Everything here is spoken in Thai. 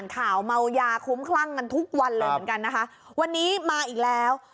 ข่าวเมายาคุ้มคลั่งกันทุกวันเลยเหมือนกันนะคะวันนี้มาอีกแล้ว